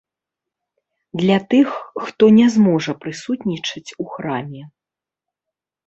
Для тых, хто не зможа прысутнічаць у храме.